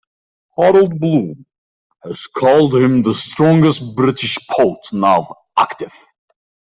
Harold Bloom has called him 'the strongest British poet now active.